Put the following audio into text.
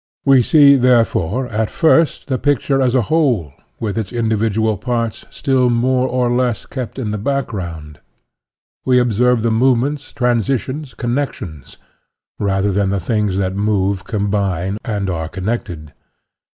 We see, therefore, at first the picture as a whole, with its individual parts still more or less kept in the background; we observe the movements, transitions, connec tions, rather than the things that move, combine, and are connected.